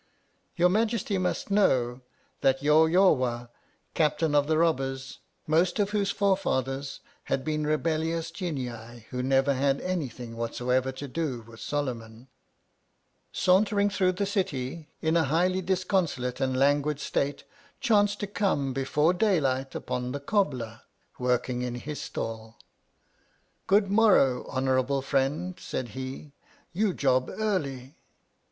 Your majesty must know that Yawyawah, Captain of the Robbers (most of whose fore fathers had been rebellious Genii, who never had had anything whatever to do with SOLOMON), sauntering through the city, in a highly disconsolate and languid state, chanced to come before daylight upon the cobbler working in his stall. Good morrow, honour able friend, said he, you job early.